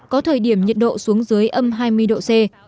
có thời điểm nhiệt độ xuống dưới âm hai mươi độ c